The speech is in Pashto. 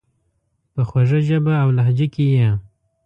په خوږه ژبه اولهجه کي یې،